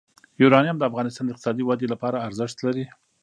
یورانیم د افغانستان د اقتصادي ودې لپاره ارزښت لري.